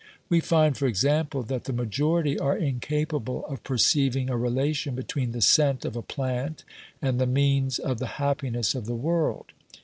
We find, for example, that the majority are incapable of perceiving a relation between the scent of a plant and the means of the happiness of the world.